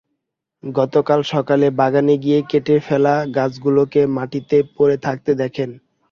গতকাল সকালে বাগানে গিয়ে কেটে ফেলা গাছগুলোকে মাটিতে পরে থাকতে দেখেন।